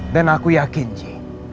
dan aku yakin ji